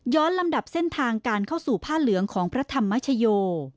ลำดับเส้นทางการเข้าสู่ผ้าเหลืองของพระธรรมชโย